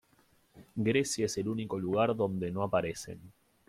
Grecia es el único lugar donde no aparecen.